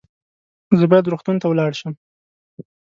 زه باید روغتون ته ولاړ شم